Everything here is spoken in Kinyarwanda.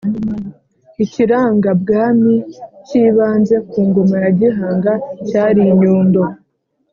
ikirangabwami cy'ibanze ku ngoma ya gihanga cyari inyundo,